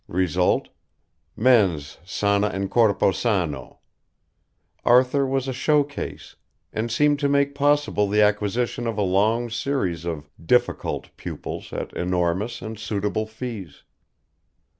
Result: "Mens sana in corpore sano." Arthur was a show case, and seemed to make possible the acquisition of a long series of "difficult" pupils at enormous and suitable fees.